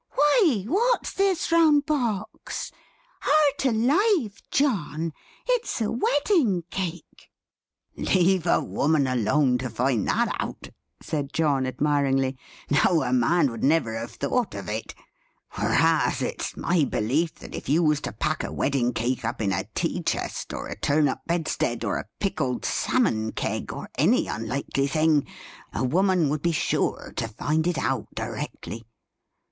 "Why what's this round box? Heart alive, John, it's a wedding cake!" "Leave a woman alone, to find out that," said John admiringly. "Now a man would never have thought of it! whereas, it's my belief that if you was to pack a wedding cake up in a tea chest, or a turn up bedstead, or a pickled salmon keg, or any unlikely thing, a woman would be sure to find it out directly.